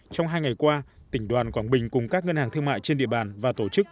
trong hai ngày qua tỉnh đoàn quảng bình cùng các ngân hàng thương mại trên địa bàn và tổ chức